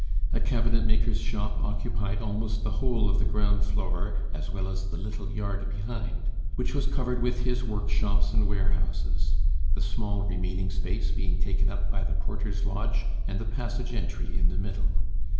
A cabinetmaker's shop occupied almost the whole of the ground floor, as well as the little yard behind, which was covered with his workshops and warehouses; the small remaining space being taken up by the porter's lodge and the passage entry in the middle.